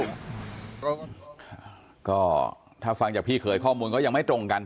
ก็ถ้าฟังจากพี่เคยข้อมูลก็ยังไม่ตรงกัน